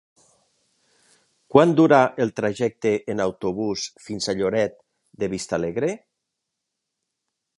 Quant dura el trajecte en autobús fins a Lloret de Vistalegre?